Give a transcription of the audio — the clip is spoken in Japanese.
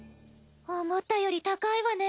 思ったより高いわね。